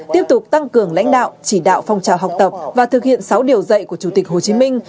tiếp tục tăng cường lãnh đạo chỉ đạo phong trào học tập và thực hiện sáu điều dạy của chủ tịch hồ chí minh